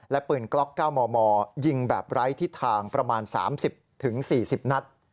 และปืนกล็อก๙มมยิงแบบไร้ทิศทางประมาณ๓๐๔๐นัด